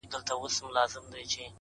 سم لكه ماهى يو سمندر تر ملا تړلى يم.